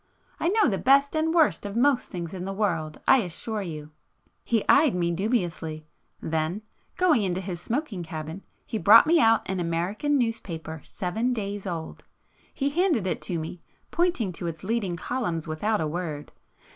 I know the best and worst of most things in the world, I assure you!" He eyed me dubiously;—then, going into his smoking cabin, [p 480] he brought me out an American newspaper seven days old. He handed it to me pointing to its leading columns without a word.